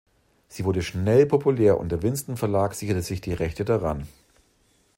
Sie wurde schnell populär und der Winston-Verlag sicherte sich die Rechte daran.